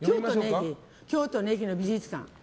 京都の駅の美術館。